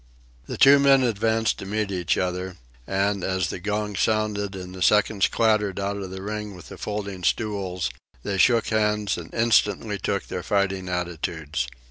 The two men advanced to meet each other, and, as the gong sounded and the seconds clattered out of the ring with the folding stools, they shook hands and instantly took their fighting attitudes.